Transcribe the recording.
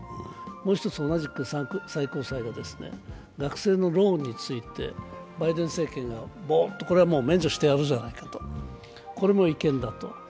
もう一つ、同じく最高裁で学生のローンについてバイデン政権がボンと、これを免除してやろうじゃないかと、これも違憲だと。